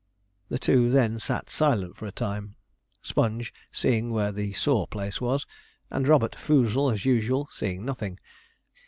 The two then sat silent for a time, Sponge seeing where the sore place was, and Robert Foozle, as usual, seeing nothing.